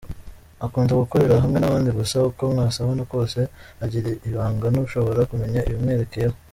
Akunda gukorera hamwe n’abandi gusa uko mwasabana kose, agira ibanga ntushobora kumenya ibimwerekeyeho.